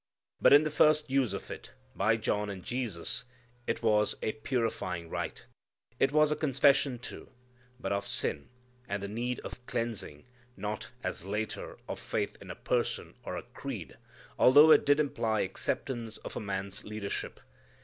But in the first use of it, by John and Jesus, it was a purifying rite. It was a confession too, but of sin, and the need of cleansing, not, as later, of faith in a person, or a creed, although it did imply acceptance of a man's leadership.